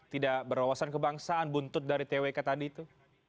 tidak berwawasan kebangsaan buntut dari twk tadi itu